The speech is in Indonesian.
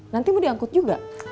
nanti mau diangkut juga